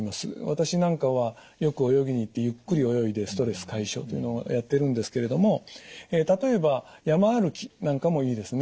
私なんかはよく泳ぎに行ってゆっくり泳いでストレス解消というのをやってるんですけれども例えば山歩きなんかもいいですね。